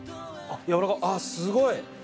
あっすごい！